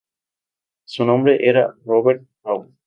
Su nombre era Robert Paul.